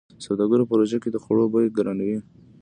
سوداګرو په روژه کې د خوړو بيې ګرانوي.